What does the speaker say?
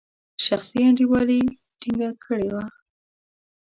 شخصي انډیوالي ټینګه کړې وه.